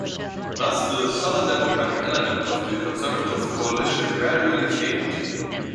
Thus the Southern Democratic element of the conservative coalition gradually faded.